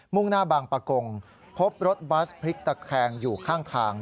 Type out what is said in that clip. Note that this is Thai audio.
่งหน้าบางปะกงพบรถบัสพลิกตะแคงอยู่ข้างทาง